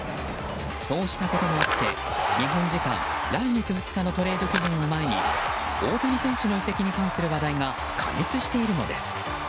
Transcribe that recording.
そうしたこともあって日本時間来月２日のトレード期限を前に大谷選手の移籍に関する話題が過熱しているのです。